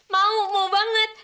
mau mau banget